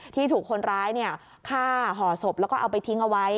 ที่ถูกคนร้ายฆ่าห่อศพแล้วก็เอาไปทิ้งเอาไว้